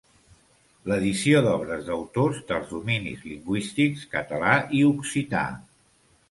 L'edició d'obres d'autors dels dominis lingüístics català i occità.